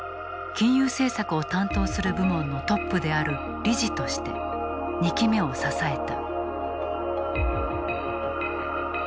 金融政策を担当する部門のトップである理事として２期目を支えた。